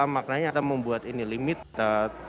maknanya akan membuat ini limited